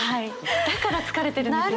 だから疲れてるんですよね。